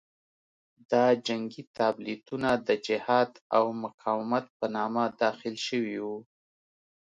دا جنګي تابلیتونه د جهاد او مقاومت په نامه داخل شوي وو.